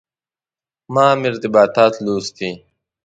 ما هم ارتباطات لوستي.